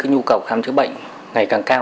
nhu cầu khám chữa bệnh ngày càng cao